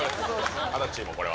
足立チーム、これは。